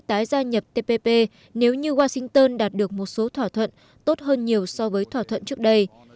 tái gia nhập tpp nếu như washington đạt được một số thỏa thuận tốt hơn nhiều so với thỏa thuận trước đây